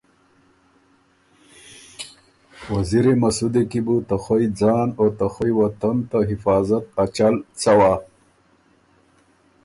وزیری مسُودی کی بُو ته خوئ ځان او ته خوئ وطن ته حفاظت ا چل څوا۔